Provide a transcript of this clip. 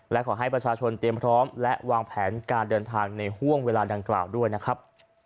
และขอให้ประชาชนเตรียมพร้อมและวางแผนการเดินทางในห่วงเวลาดังกล่าวด้วยนะครับ